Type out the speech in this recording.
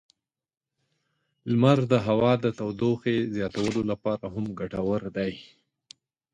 لمر د هوا د تودوخې زیاتولو لپاره هم ګټور دی.